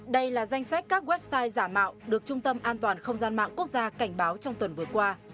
đây là danh sách các website giả mạo được trung tâm an toàn không gian mạng quốc gia cảnh báo trong tuần vừa qua